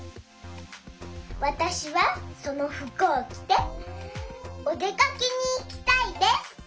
わたしはそのふくをきておでかけにいきたいです。